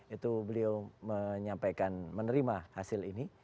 itu beliau menyampaikan menerima hasil ini